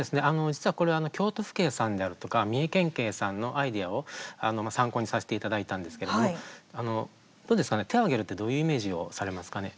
実は京都府警さんとか三重県警さんのアイデアを参考にさせていただいたんですけれども手を上げるってどういうイメージをされますかね。